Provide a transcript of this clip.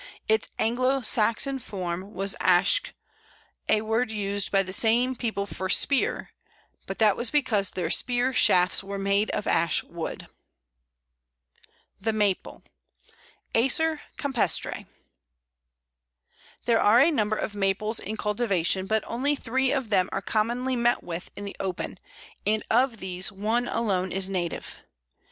Its Anglo Saxon form was æsc, a word used by the same people for spear, but that was because their spear shafts were made of Ash wood. [Illustration: Pl. 43. Field Maple.] The Maple (Acer campestre). There are a number of Maples in cultivation, but only three of them are commonly met with in the open, and of these one alone is a native.